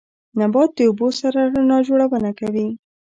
نبات د اوبو سره رڼا جوړونه کوي